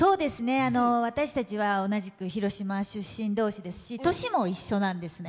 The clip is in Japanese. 私たちは同じく広島出身同士ですし年も一緒なんですね。